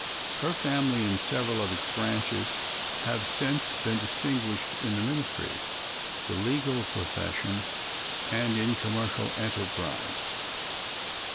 Her family, in several of its branches, have since been distinguished in the ministry, the legal profession, and in commercial enterprise.